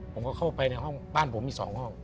ผมก็เข้าไปในห้องบ้านผมอีก๒ห้อง